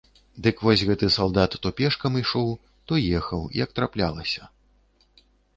Дык вось гэты салдат то пешкам ішоў, то ехаў, як траплялася.